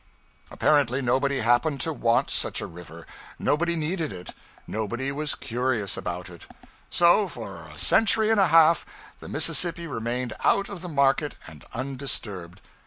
Apparently nobody happened to want such a river, nobody needed it, nobody was curious about it; so, for a century and a half the Mississippi remained out of the market and undisturbed.